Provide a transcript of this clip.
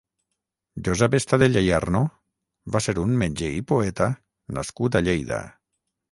Josep Estadella i Arnó va ser un metge i poeta nascut a Lleida.